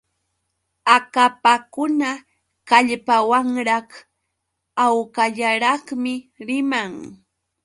Akapakuna kallpawanraq hawkallaraqmi riman.